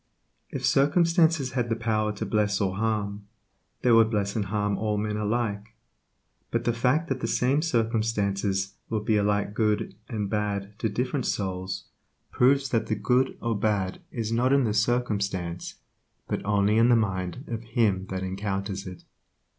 If circumstances had the power to bless or harm, they would bless and harm all men alike, but the fact that the same circumstances will be alike good and bad to different souls proves that the good or bad is not in the circumstance, but only in the mind of him that encounters it.